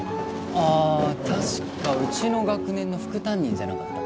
あー確かうちの学年の副担任じゃなかった？